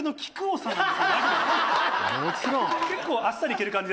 結構あっさり行ける感じ。